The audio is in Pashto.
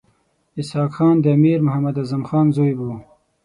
اسحق خان د امیر محمد اعظم خان زوی وو.